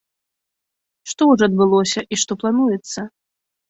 Што ўжо адбылося і што плануецца?